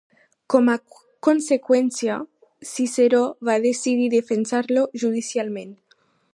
Com a conseqüència, Ciceró va decidir defensar-lo judicialment.